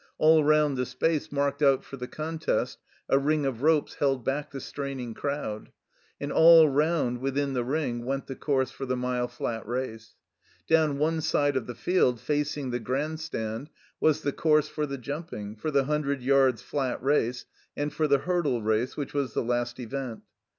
All round the space marked out for the contest, a ring of ropes held back the straining crowd; and all round, within the ring, went the course for the mile flat race. Down one side of the field, facing the Grand Stand, was the course for the jumping, for the himdred yards' flat race, and for the hurdle race, which was the last event.